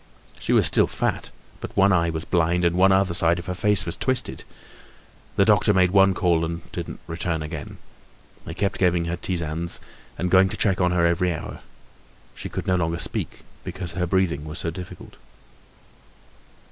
She was still fat, but one eye was blind and one side of her face was twisted. The doctor made one call and didn't return again. They kept giving her tisanes and going to check on her every hour. She could no longer speak because her breathing was so difficult.